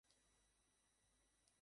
তোমাকেও দেখে চলতে হবে।